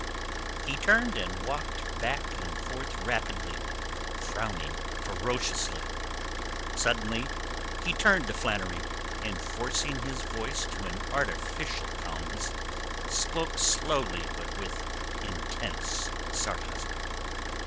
He turned and walked back and forth rapidly; frowning ferociously. Suddenly he turned to Flannery, and forcing his voice to an artificial calmness spoke slowly but with intense sarcasm.